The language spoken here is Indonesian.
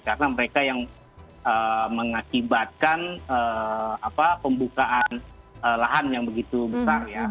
karena mereka yang mengakibatkan pembukaan lahan yang begitu besar ya